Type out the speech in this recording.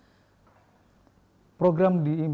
program diimplementasikan dengan menggunakan program dari pertamina